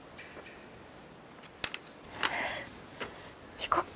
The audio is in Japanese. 行こっか。